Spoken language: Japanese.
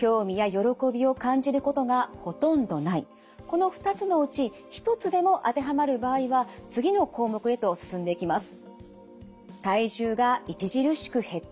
この２つのうち１つでも当てはまる場合は次の項目へと進んでいきます。